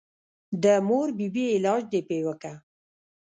د مور بي بي علاج دې پې وکه.